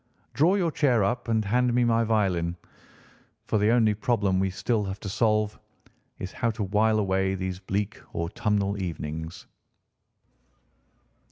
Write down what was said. Draw your chair up and hand me my violin, for the only problem we have still to solve is how to while away these bleak autumnal evenings."